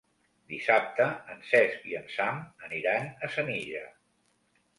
Dissabte en Cesc i en Sam aniran a Senija.